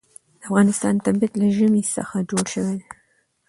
د افغانستان طبیعت له ژمی څخه جوړ شوی دی.